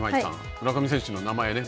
村上選手の名前ね